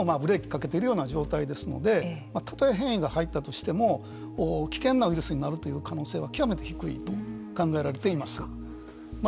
何重にもブレーキをかけている状態ですのでたとえ変異が入ったとしても危険なウイルスになるという可能性は極めて低いと考えられています。